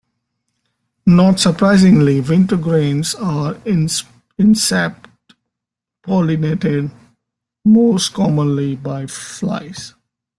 Not surprisingly, wintergreens are insect pollinated, most commonly by flies.